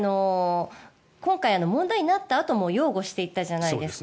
今回、問題になったあとも擁護していたじゃないですか。